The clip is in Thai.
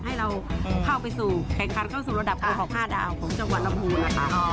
ให้เราเข้าไปสู่แข่งขันเข้าสู่ระดับโกหก๕ดาวของจังหวัดลำพูนนะคะ